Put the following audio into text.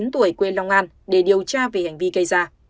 ba mươi chín tuổi quê long an để điều tra về hành vi gây ra